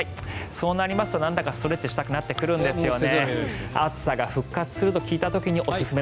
そうなりますとなんだかストレッチしたくなってくるんですよね。